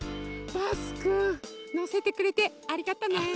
バスくんのせてくれてありがとね。